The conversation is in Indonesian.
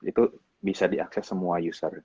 itu bisa diakses semua user